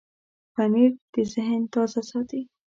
پنېر د ذهن تازه ساتي.